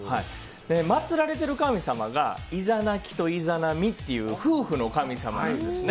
祭られている神様がいざなぎといざなみという夫婦の神様なんですね。